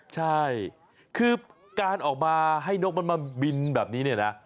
ใช่คือการออกมาให้นกมันมาบินแบบนี้เนี่ยนะ